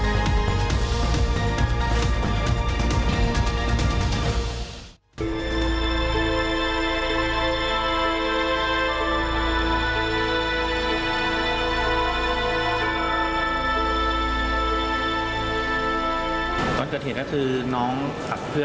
โดยรัลดิวไพร้ดิชมวินชาติพ่อเฮ้ยน้องจักรไทย